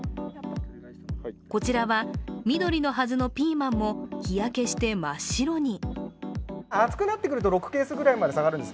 こちらは、緑のはずのピーマンも日焼けして真っ白に。